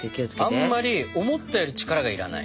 あんまり思ったより力がいらない。